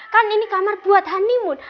kan ini kamar buat honeymoon